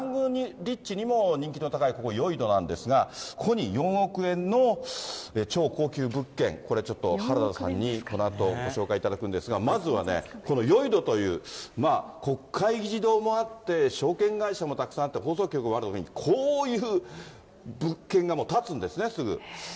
リッチにも人気の高いここ、ヨイドなんですが、ここに４億円の超高級物件、これちょっと原田さんにこのあとご紹介いただくんですが、まずはね、このヨイドという、国会議事堂もあって、証券会社もたくさんあって、放送局もある、こういう物件が建つんですね、すぐ。